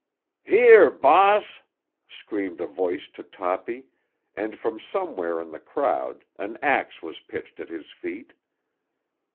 "Here, bahass!" screamed a voice to Toppy, and from somewhere in the crowd an ax was pitched at his feet.